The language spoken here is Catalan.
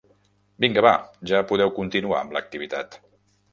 Vinga va, ja podeu continuar amb l'activitat.